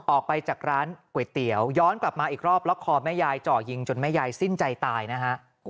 ออกไปจากร้านก๋วยเตี๋ยวย้อนกลับมาอีกรอบล็อกคอแม่ยายเจาะยิงจนแม่ยายสิ้นใจตายนะฮะ